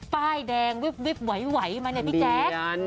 ป้ายแดงวิบไหวมาเนี่ยพี่แจ๊ค